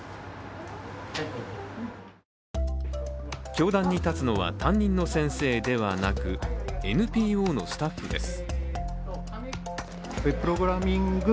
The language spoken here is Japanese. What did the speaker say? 教壇に立つのは担任の先生ではなくＮＰＯのスタッフです。